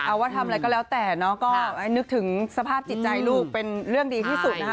เอาว่าทำอะไรก็แล้วแต่เนาะก็นึกถึงสภาพจิตใจลูกเป็นเรื่องดีที่สุดนะคะ